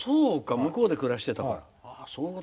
向こうで暮らしてたから。